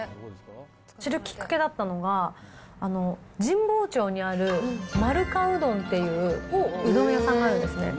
知るきっかけだったのが、神保町にあるまるかうどんっていう、うどん屋さんがあるんですね。